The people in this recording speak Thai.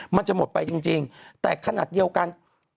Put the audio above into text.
มันจะหมดไปจริงแต่ขนาดเดียวกัน